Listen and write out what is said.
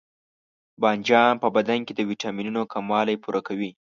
بانجان په بدن کې د ویټامینونو کموالی پوره کوي.